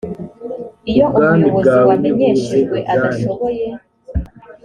iyo umuyobozi wamenyeshejwe adashoboye